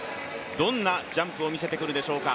どんなジャンプを見せてくるでしょうか？